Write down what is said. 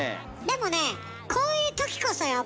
でもねこういうときこそよ